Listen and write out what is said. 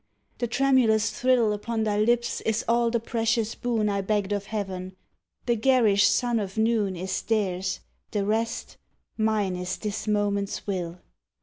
The tremulous thrill Upon thy lips is all the precious boon I begged of Heaven, the garish sun of noon Is theirs the rest mine is this moment's will.